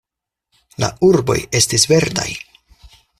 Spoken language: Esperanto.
La urboj estis verdaj.